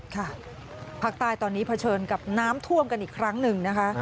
ค่ะภาคใต้ตอนนี้เผชิญกับน้ำท่วมกันอีกครั้งหนึ่งนะคะ